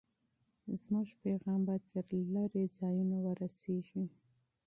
زموږ پیغام به تر لرې ځایونو ورسېږي.